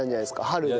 春で。